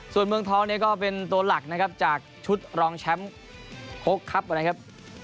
ส่วนเมืองทองเนี่ยก็เป็นตัวหลักนะครับจากชุดรองแชมป์โค้กครับนะครับ